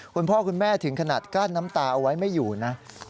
คุณพ่อคุณแม่ถึงขนาดกั้นน้ำตาเอาไว้ไม่อยู่นะ